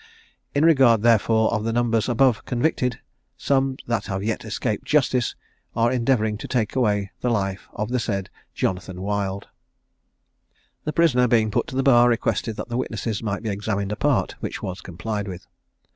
"In regard, therefore, of the numbers above convicted, some that have yet escaped justice, are endeavouring to take away the life of the said "JONATHAN WILD." The prisoner, being put to the bar, requested that the witnesses might be examined apart, which was complied with.